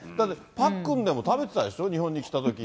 パックンでも食べてたでしょ、日本に来たとき。